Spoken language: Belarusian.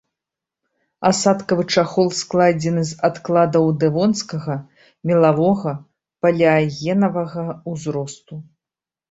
Асадкавы чахол складзены з адкладаў дэвонскага, мелавога, палеагенавага ўзросту.